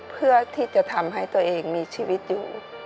เพื่อที่จะทำให้ตัวเองมีชีวิตอยู่